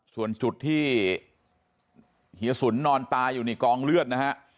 ส่วนจุดที่เฮียสุนนอนตายอยู่ในกองเลือดนะฮะ